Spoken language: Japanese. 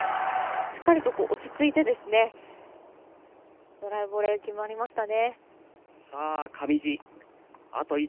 しっかりと、落ち着いてドライブボレー決まりましたね。